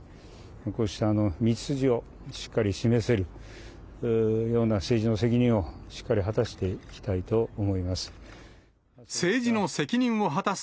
こうした道筋をしっかり示せるような政治の責任をしっかり果たしていきたいと思います。